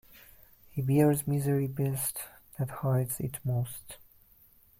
He bears misery best that hides it most.